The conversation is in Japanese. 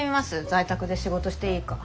在宅で仕事していいか。